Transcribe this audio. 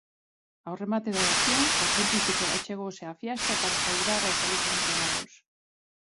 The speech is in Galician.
Ao remate da oración, o pontífice achegouse á fiestra para saudar os alí congregados.